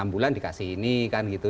enam bulan dikasih ini kan gitu